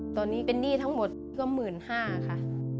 ตอนนี้เป็นหนี้ทั้งหมดก็๑๕๐๐บาทค่ะ